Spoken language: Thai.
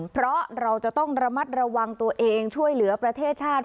เพราะเราจะต้องระมัดระวังตัวเองช่วยเหลือประเทศชาติ